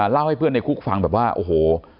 เล่าให้เพื่อนในคุกฟังแบบว่าโอ้โห